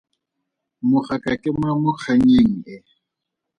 Mogaka ke mang mo kgannyeng e?